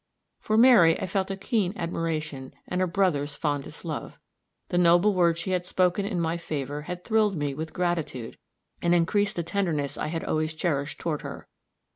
For Mary I felt a keen admiration, and a brother's fondest love. The noble words she had spoken in my favor had thrilled me with gratitude, and increased the tenderness I had always cherished toward her.